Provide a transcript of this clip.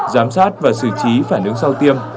giám sát và xử trí phản ứng sau tiêm